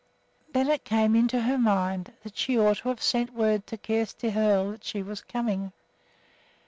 Then it came into her mind that she ought to have sent word to Kjersti Hoel that she was coming.